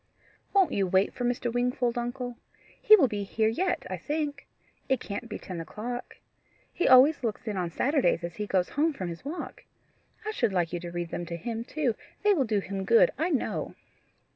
"Won't you wait for Mr. Wingfold, uncle? He will be here yet, I think. It can't be ten o'clock. He always looks in on Saturdays as he goes home from his walk. I should like you to read them to him too. They will do him good, I know."